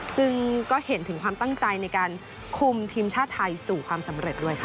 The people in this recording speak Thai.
ซึ่งก็เห็นถึงความตั้งใจในการคุมทีมชาติไทยสู่ความสำเร็จด้วยค่ะ